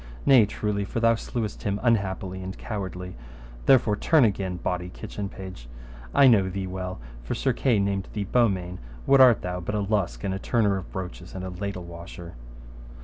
Nay truly, for thou slewest him unhappily and cowardly; therefore turn again, bawdy kitchen page, I know thee well, for Sir Kay named thee Beaumains. What art thou but a lusk and a turner of broaches and a ladle washer?